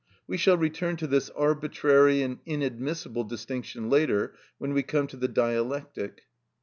We shall return to this arbitrary and inadmissible distinction later, when we come to the Dialectic.